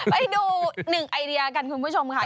ไปดูหนึ่งไอเดียกันคุณผู้ชมค่ะ